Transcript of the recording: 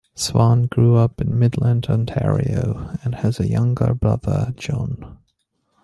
Swan grew up in Midland, Ontario, and has a younger brother John.